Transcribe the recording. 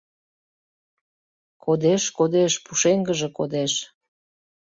Кодеш-кодеш, пушеҥгыже кодеш.